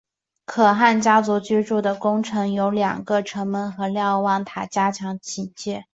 可汗家族居住的宫城有两个城门和瞭望塔加强警戒。